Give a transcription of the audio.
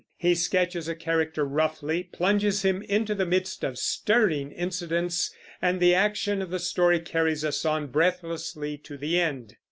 He sketches a character roughly, plunges him into the midst of stirring incidents, and the action of the story carries us on breathlessly to the end.